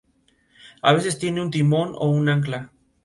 A veces tiene un timón o un ancla.